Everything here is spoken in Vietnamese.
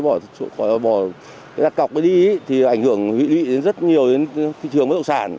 bỏ đặt cọc đi thì ảnh hưởng rất nhiều đến thị trường bất động sản